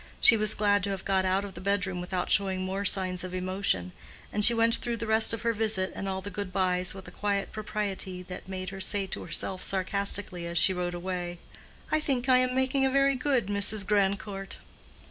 She was glad to have got out of the bedroom without showing more signs of emotion, and she went through the rest of her visit and all the good byes with a quiet propriety that made her say to herself sarcastically as she rode away, "I think I am making a very good Mrs. Grandcourt."